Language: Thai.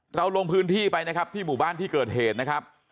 เราลงพื้นที่ไปนะครับที่หมู่บ้านที่เกิดเหตุนะครับ